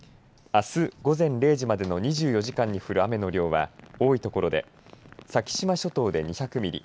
あす午前０時までの２４時間に降る雨の量は多い所で先島諸島で２００ミリ